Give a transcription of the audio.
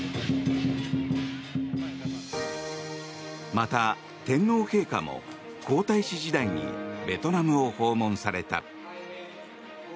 また、天皇陛下も皇太子時代にベトナムを訪問された。